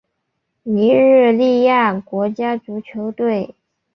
尼日利亚国家足球队